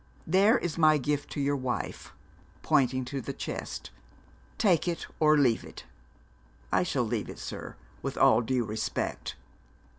There is my gift to your wife' pointing to the chest 'take it or leave it.' 'I shall leave it, sir, with all due respect.'